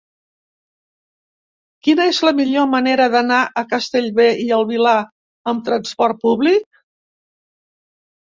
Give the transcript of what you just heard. Quina és la millor manera d'anar a Castellbell i el Vilar amb trasport públic?